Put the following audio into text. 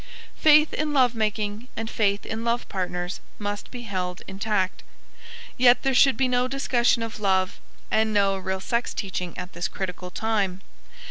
Faith in love making and faith in love partners must be held intact. Yet there should be no discussion of love and no real sex teaching at this critical time.